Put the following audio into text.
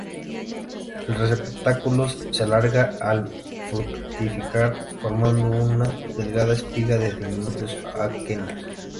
El receptáculo se alarga al fructificar, formando una delgada espiga de diminutos aquenios.